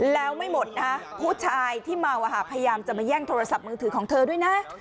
แล้วไม่หมดนะผู้ชายที่เมาพยายามจะมาแย่งโทรศัพท์มือถือของเธอด้วยนะ